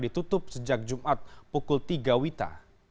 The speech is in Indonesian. ditutup sejak jumat pukul tiga wita